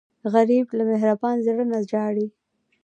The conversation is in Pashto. غریب له مهربان زړه نه ژاړي